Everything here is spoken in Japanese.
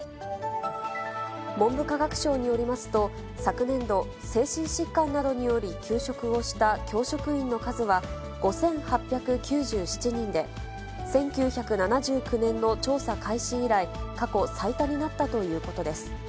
文部科学省によりますと、昨年度、精神疾患などにより休職をした教職員の数は５８９７人で、１９７９年の調査開始以来、過去最多になったということです。